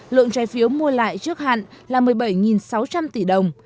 lượng trái phiếu mua lại trước hạn là một mươi bảy sáu trăm linh tỷ đồng